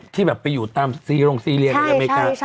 ที่แบบไปอยู่ตามซีโรงซีเรียในอเมริกา